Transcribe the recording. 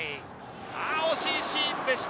惜しいシーンでした。